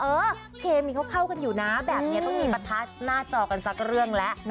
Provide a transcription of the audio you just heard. เออเคมีเขาเข้ากันอยู่นะแบบนี้ต้องมีประทัดหน้าจอกันสักเรื่องแล้ว